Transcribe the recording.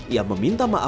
yang meminta memulihnya